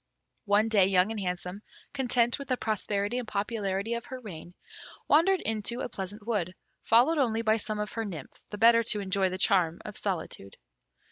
One day Young and Handsome, content with the prosperity and popularity of her reign, wandered into a pleasant wood, followed only by some of her nymphs, the better to enjoy the charm of solitude.